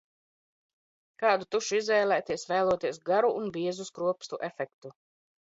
Kādu tušu izvēlēties vēloties garu un biezu skropstu efektu?